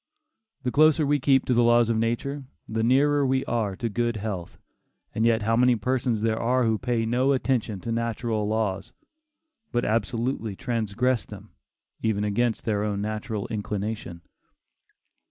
The closer we keep to the laws of nature, the nearer we are to good health, and yet how many persons there are who pay no attention to natural laws, but absolutely transgress them, even against their own natural inclination.